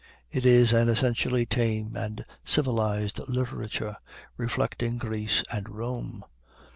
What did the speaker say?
It is an essentially tame and civilized literature, reflecting Greece and Rome.